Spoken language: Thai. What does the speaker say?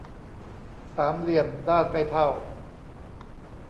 สามเหลี่ยมด้านไม่เท่า